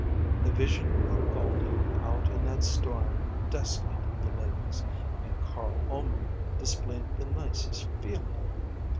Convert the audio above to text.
The vision of Goldie out in that storm desolated the ladies, and Carl Ullman displayed the nicest feeling.